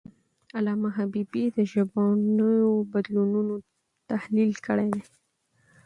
علامه حبیبي د ژبنیو بدلونونو تحلیل کړی دی.